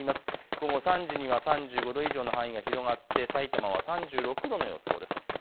午後３時には３５度以上の範囲が広がってさいたまは３６度の予想です。